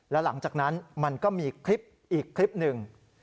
แล้วหลังจากนั้นมันก็มีคลิปอีกคลิปหนึ่ง